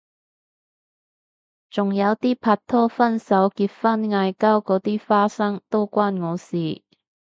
仲有啲拍拖分手結婚嗌交嗰啲花生都關我事